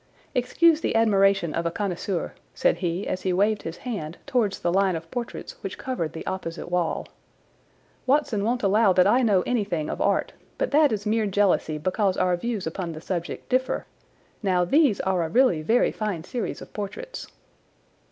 "Excuse the admiration of a connoisseur," said he as he waved his hand towards the line of portraits which covered the opposite wall. "Watson won't allow that I know anything of art but that is mere jealousy because our views upon the subject differ. Now, these are a really very fine series of portraits."